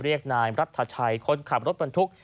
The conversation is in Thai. เรียกนายรัฐชัยคนขับรถบรรทุก